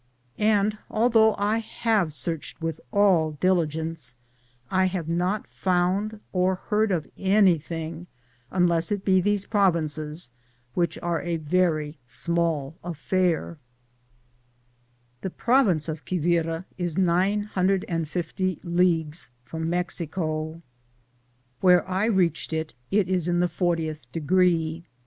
And although I have Bearched with all diligence I have not found or heard of anything, unless it be these provinces, which are a very small affair, The province of Quivira is 950 leagues from Mexico. Where I reached it, it is in the fortieth degree.